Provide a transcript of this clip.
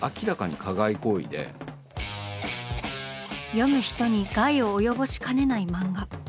読む人に害を及ぼしかねない漫画。